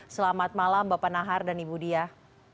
selamat malam bapak nahar dan ibu diah